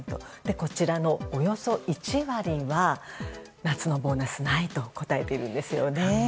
こちらの、およそ１割は夏のボーナスないと答えているんですよね。